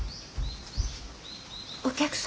お客様？